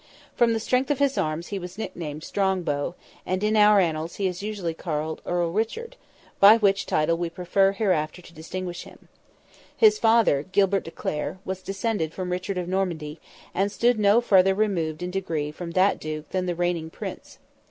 From the strength of his arms he was nicknamed Strongbow, and in our Annals he is usually called Earl Richard, by which title we prefer hereafter to distinguish him. His father, Gilbert de Clare, was descended from Richard of Normandy, and stood no farther removed in degree from that Duke than the reigning Prince.